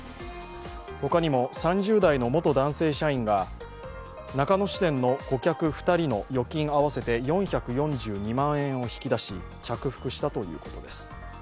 他にも３０代の元男性社員が中野支店の顧客２人の預金あ寄せて４４２万円を引き出し、着服したということです。